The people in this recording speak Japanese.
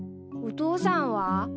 お父さんは？